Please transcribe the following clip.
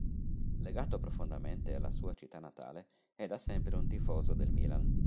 Legato profondamente alla sua città natale, è da sempre un tifoso del Milan.